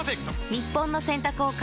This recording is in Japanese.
日本の洗濯を変える１本。